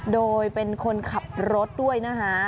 โดยเป็นคนขับรถด้วยนะคะ